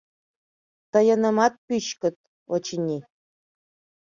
Тыйынымат пӱчкыт, очыни.